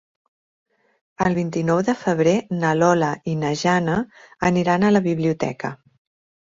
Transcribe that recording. El vint-i-nou de febrer na Lola i na Jana aniran a la biblioteca.